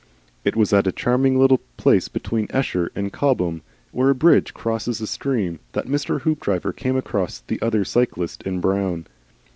It was at a charming little place between Esher and Cobham, where a bridge crosses a stream, that Mr. Hoopdriver came across the other cyclist in brown.